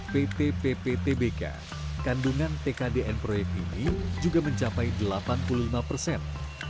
pt pptbk kandungan tkdn proyek ini juga mencapai delapan puluh lima persen